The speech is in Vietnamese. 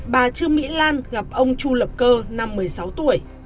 bà trương mỹ lan gặp ông chu lập cơ năm một mươi sáu tuổi